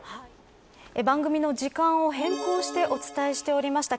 番組の時間を変更してお伝えしておりました。